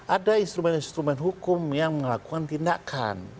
ada instrumen instrumen hukum yang melakukan tindakan